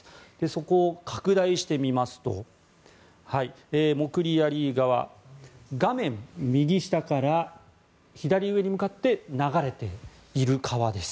そこを拡大してみますとモクリ・ヤリー川は画面右下から左上に向かって流れている川です。